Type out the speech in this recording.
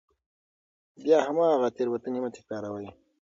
بیا هماغه تېروتنې مه تکراروئ.